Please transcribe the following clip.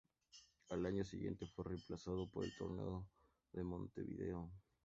Al año siguiente fue reemplazado por el Torneo de Montevideo.